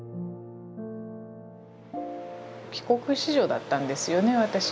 帰国子女だったんですよね私。